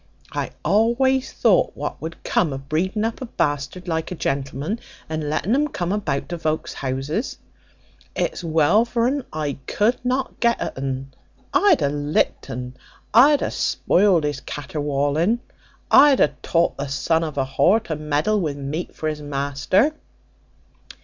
I always thought what would come o' breeding up a bastard like a gentleman, and letting un come about to vok's houses. It's well vor un I could not get at un: I'd a lick'd un; I'd a spoil'd his caterwauling; I'd a taught the son of a whore to meddle with meat for his master.